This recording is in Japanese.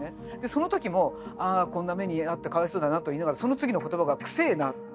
その時もああこんな目に遭ってかわいそうだなと言いながらその次の言葉が「くせえなあ」。